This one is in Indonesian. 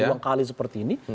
berulang kali seperti ini